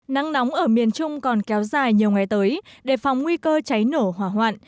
nắng nóng ở miền trung còn kéo dài nhiều ngày tới đề phòng nguy cơ cháy nổ hỏa hoạn